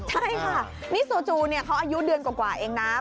ใช่ค่ะนี่โซจูเนี่ยเขาอายุเดือนกว่าเองนะ